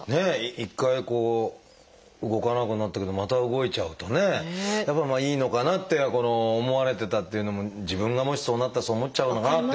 一回こう動かなくなったけどまた動いちゃうとねやっぱりいいのかなって思われてたっていうのも自分がもしそうなったらそう思っちゃうのかなって。